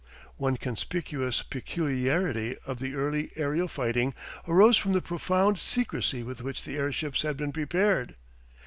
One conspicuous peculiarity of the early aerial fighting arose from the profound secrecy with which the airships had been prepared.